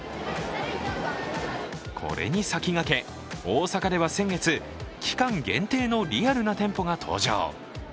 これに先駆け、大阪では先月、期間限定のリアルな店舗が登場。